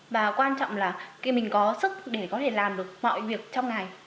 và quan trọng là khi mình có sức để có thể làm được mọi việc trong ngày